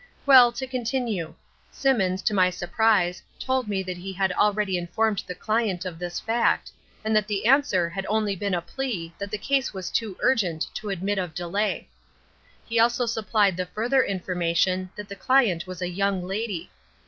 "Well, to continue. Simmons, to my surprise, told me that he had already informed the client of this fact, and that the answer had only been a plea that the case was too urgent to admit of delay. He also supplied the further information that the client was a young lady.